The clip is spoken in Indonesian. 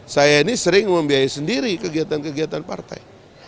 saya ini sering membiayai sendiri kegiatan kegiatan partai